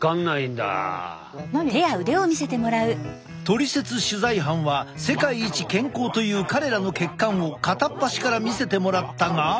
トリセツ取材班は世界一健康という彼らの血管を片っ端から見せてもらったが。